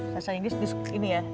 sastra inggris di ini ya